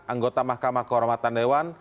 anggota mahkamah kehormatan dewan